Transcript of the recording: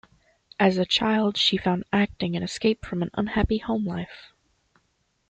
As a child she found acting an escape from an unhappy home life.